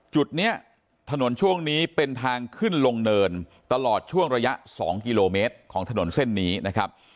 จุดนี้ถนนช่วงนี้เป็นทางขึ้นลงเนินตลอดช่วงระยะ๒กิโลเมตรของถนนเส้นนี้นะครับ